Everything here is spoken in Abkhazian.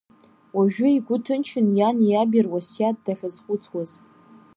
Уажәы игәы ҭынчын иани иаби руасиаҭ дахьазхәыцуаз.